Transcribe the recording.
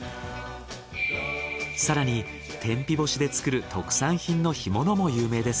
更に天日干しで作る特産品の干物も有名です。